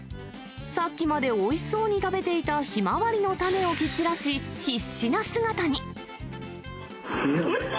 さっきまでおいしそうに食べていたひまわりの種を蹴散らし、必死な姿に。